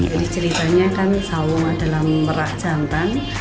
jadi ceritanya kan sawung adalah merah jantan